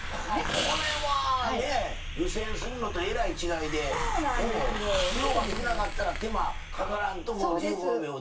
これは、湯せんするのとえらい違いで量が少なかったら手間かからんとも１５秒で。